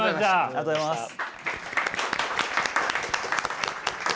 ありがとうございます。